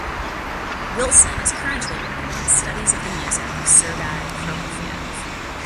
Wilson is currently working on studies of the music of Sergei Prokofiev.